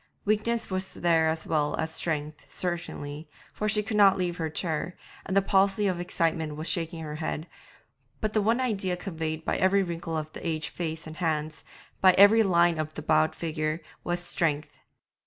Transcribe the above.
Weakness was there as well as strength, certainly, for she could not leave her chair, and the palsy of excitement was shaking her head, but the one idea conveyed by every wrinkle of the aged face and hands, by every line of the bowed figure, was strength.